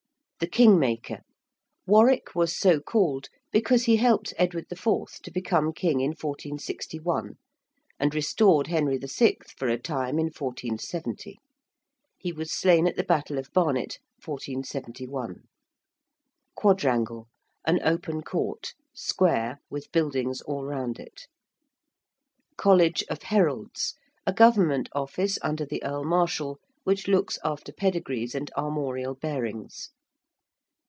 ~The King Maker~: Warwick was so called because he helped Edward IV. to become king in 1461, and restored Henry VI. for a time in 1470. He was slain at the battle of Barnet, 1471. ~quadrangle~: an open court, square, with buildings all round it. ~College of Heralds~: a Government office under the Earl Marshal which looks after pedigrees and armorial bearings.